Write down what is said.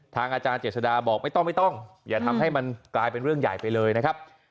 อาจารย์เจษฎาบอกไม่ต้องไม่ต้องอย่าทำให้มันกลายเป็นเรื่องใหญ่ไปเลยนะครับ